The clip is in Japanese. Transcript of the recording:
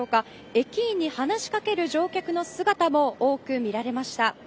駅員に話し掛ける乗客の姿も多く見られました。